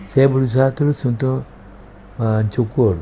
saya berusaha terus untuk mencukur